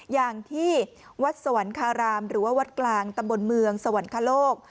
อย่างที่วัดสวรรคารามหรือว่าวัดกลางตำบลเมืองสวรรคโลก